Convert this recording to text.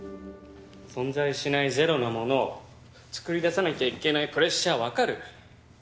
存在しないゼロのものを作り出さなきゃいけないプレッシャー分かる？